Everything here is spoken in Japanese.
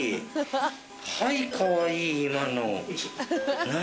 はいかわいい今の。何？